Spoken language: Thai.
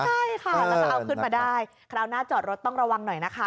ใช่ค่ะแล้วก็เอาขึ้นมาได้คราวหน้าจอดรถต้องระวังหน่อยนะคะ